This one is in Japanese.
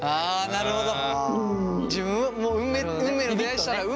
なるほど。